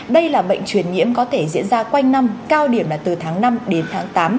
đây là bệnh truyền nhiễm có thể diễn ra quanh năm cao điểm là từ tháng năm đến tháng tám